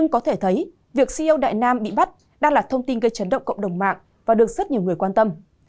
có thể thấy việc ceo đại nam bị bắt đang là thông tin gây chấn động cộng đồng mạng và được rất nhiều người quan tâm